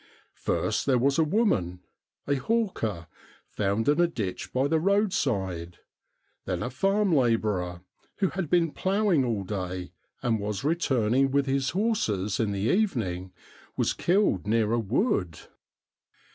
First there was a woman, a hawker, found in a ditch by the roadside. Then a farm labourer, who had been ploughing all day, and was returning with his horses in the evening, was killed near a wood.